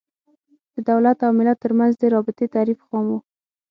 د دولت او ملت تر منځ د رابطې تعریف خام و.